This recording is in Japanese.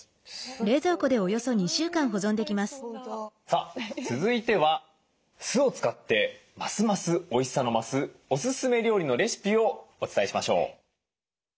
さあ続いては酢を使ってますますおいしさの増すおすすめ料理のレシピをお伝えしましょう。